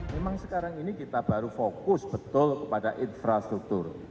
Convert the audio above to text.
memang sekarang ini kita baru fokus betul kepada infrastruktur